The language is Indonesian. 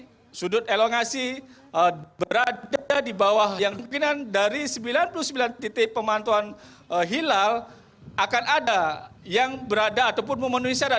jadi sudut elongasi berada di bawah yang kemungkinan dari sembilan puluh sembilan titik pemantuan hilal akan ada yang berada ataupun memenuhi syarat